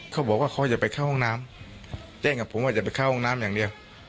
เขาบอกว่าเขาอย่าไปเข้าห้องน้ำแจ้งกับผมว่าอย่าไปเข้าห้องน้ำอย่างเดียว